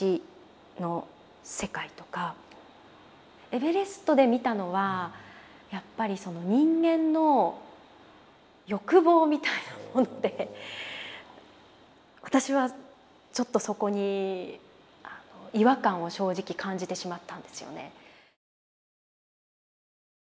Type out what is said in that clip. エベレストで見たのはやっぱりその人間の欲望みたいなもので私はちょっとそこに違和感を正直感じてしまったんですよね。